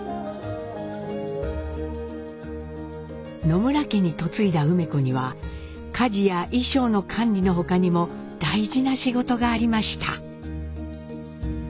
野村家に嫁いだ梅子には家事や衣装の管理の他にも大事な仕事がありました。